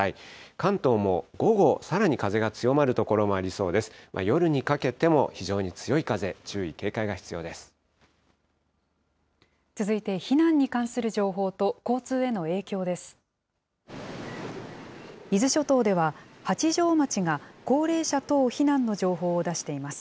関東も午後、さらに風が強まる所もありそうです。